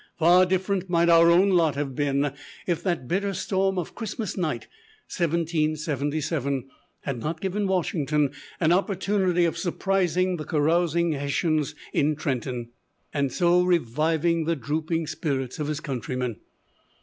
Far different might our own lot have been, if that bitter storm of Christmas night, 1777, had not given Washington an opportunity of surprising the carousing Hessians in Trenton, and so reviving the drooping spirits of his countrymen.